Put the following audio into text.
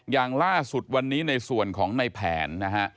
อย่างล่าสุดวันนี้ในส่วนของในแผนนะฮะ